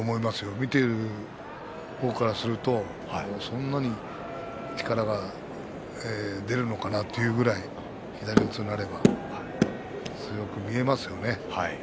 見てる方からするとそんなに力が出るのかなというぐらい左四つになれば強く見えますよね。